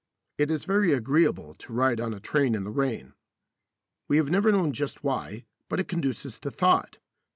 It is very agreeable to ride on a train in the rain. We have never known just why, but it conduces to thought.